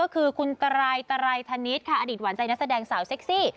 กรายตรายธนิษฐ์ค่ะอดีตหวานใจนักแสดงสาวเซ็กซี่